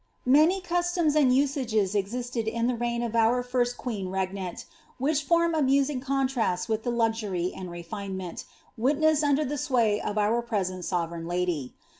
Many customs and usages existed in the reign of our first queen rcg nant, which form amusing contrasts with the luxury and refinement, witnessed under the sway of our present sovereign lady.